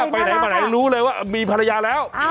ไปไหนมาไหนรู้เลยว่ามีภรรยาแล้ว